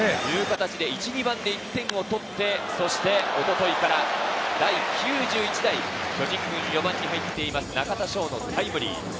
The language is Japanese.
１・２番で１点を取って、そして一昨日から第９１代巨人軍４番に入っている中田翔のタイムリー。